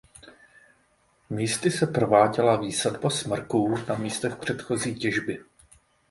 Místy se prováděla výsadba smrků na místech předchozí těžby.